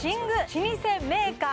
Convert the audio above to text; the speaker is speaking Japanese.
老舗メーカー